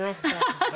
ハハハハ！